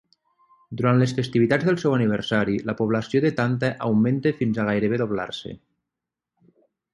Durant les festivitats del seu aniversari, la població de Tanta augmenta fins a gairebé doblar-se.